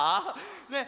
ねえ